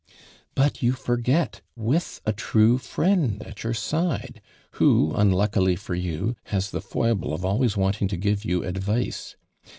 "'•• But, you forget, with a true fiiend at your side, who, unluckily for you, has the foible of always wanting to give you ad vice.